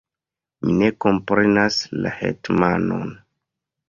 Mi ne komprenas la hetmanon.